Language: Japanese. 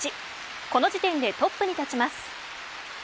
この時点でトップに立ちます。